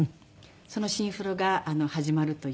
そのシンフロが始まるという。